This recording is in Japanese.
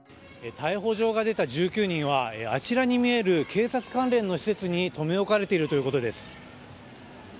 逮捕状が出た１９人はあちらに見える警察関連の施設に留め置かれているということです。